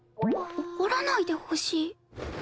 怒らないでほしい